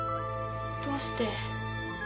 どうして？